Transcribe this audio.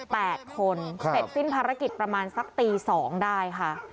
แปดคนเสร็จสิ้นภารกิจประมาณสักตีสองได้ค่ะ